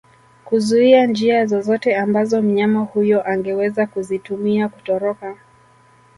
kuzuia njia zozote ambazo mnyama huyo angeweza kuzitumia kutoroka